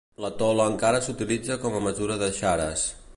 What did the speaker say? La tola encara s'utilitza com a mesura de charas.